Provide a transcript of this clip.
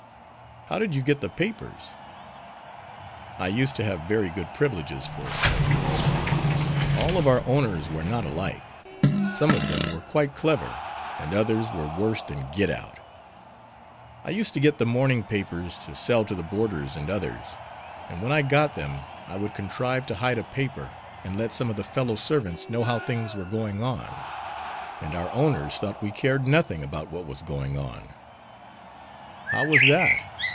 "How did you get the papers?" "I used to have very good privileges for a slave. All of our owners were not alike. Some of them were quite clever, and others were worse than git out. I used to get the morning papers to sell to the boarders and others, and when I got them I would contrive to hide a paper, and let some of the fellow servants know how things were going on. And our owners thought we cared nothing about what was going on." "How was that?